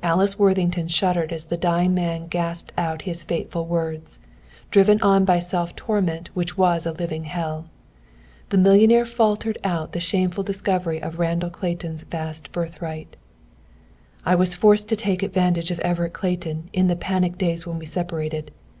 Alice Worthington shuddered as the dying man gasped out his fateful words, driven on by a self torment which was a living hell. The millionaire faltered out the shameful discovery of Randall Clayton's vast birthright. "I was forced to take advantage of Everett Clayton in the panic days when we separated.